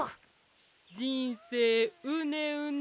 じんせいうねうね。